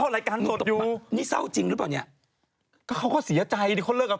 ้ามใจใครไม่ได้แต่ความจริงคือความจริงครับ